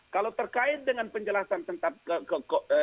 kalau terkait dengan penjelasan tentang ke